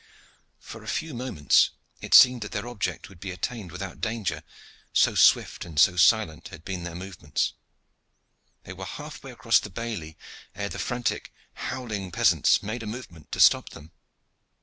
For a few moments it seemed that their object would be attained without danger, so swift and so silent had been their movements. They were half way across the bailey ere the frantic, howling peasants made a movement to stop them.